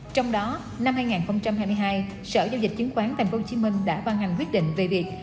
trong đó năm hai nghìn hai mươi hai sở giao dịch chứng khoán tp hcm đã ban hành quyết định về việc